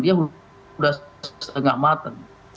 dia sudah setengah matang